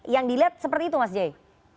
yang dilihat seperti itu mas jai